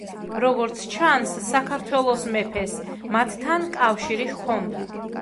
როგორც ჩანს, საქართველოს მეფეს მათთან კავშირი ჰქონდა.